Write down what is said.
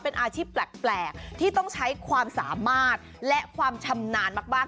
เป็นอาชีพแปลกที่ต้องใช้ความสามารถและความชำนาญมาก